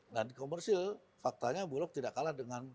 dan komersil faktanya bulog tidak kalah dengan produk